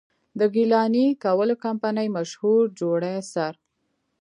د ګيلاني کول کمپني مشهور جوړي سر،